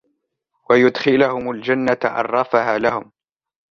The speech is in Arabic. وَيُدْخِلُهُمُ الْجَنَّةَ عَرَّفَهَا لَهُمْ